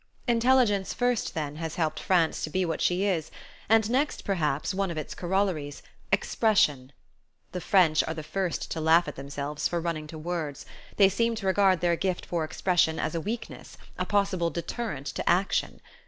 Intelligence first, then, has helped France to be what she is; and next, perhaps, one of its corollaries, expression. The French are the first to laugh at themselves for running to words: they seem to regard their gift for expression as a weakness, a possible deterrent to action.